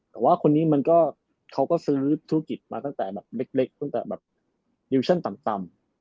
แต่ว่าคนนี้มันก็เขาก็ซื้อธุรกิจมาตั้งแต่แบบเล็กตั้งแต่แบบดิวชั่นต่ำ